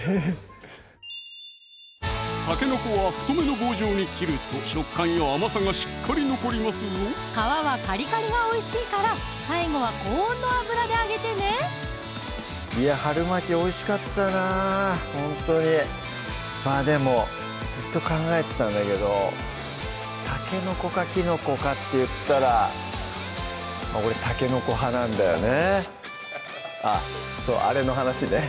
たけのこは太めの棒状に切ると食感や甘さがしっかり残りますぞ皮はカリカリがおいしいから最後は高温の油で揚げてねいや春巻きおいしかったなほんとにまぁでもずっと考えてたんだけどたけのこかきのこかっていったら俺あっそうあれの話ね